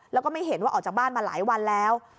แล้วก็ไม่เห็นว่าออกจากบ้านมาหลายวันแล้ว